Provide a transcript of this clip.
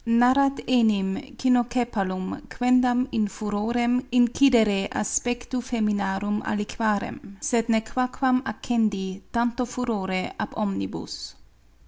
Narrat enim Cynocephalum quendam in furorem incidere aspectu feminarum aliquarem, sed nequaquam accendi tanto furore ab omnibus.